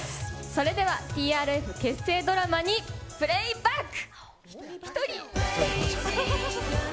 それでは、ＴＲＦ結成ドラマに、プレイバック。